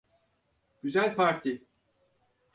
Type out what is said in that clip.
Güzel parti.